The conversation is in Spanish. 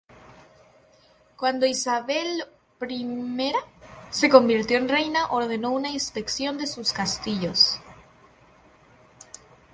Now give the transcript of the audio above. Cuando Isabel I se convirtió en reina, ordenó una inspección de sus castillos.